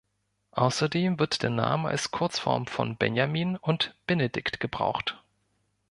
Außerdem wird der Name als Kurzform von „Benjamin“ und „Benedikt“ gebraucht.